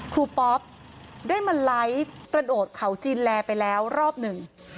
ป๊อปได้มาไลฟ์กระโดดเขาจีนแลไปแล้วรอบหนึ่ง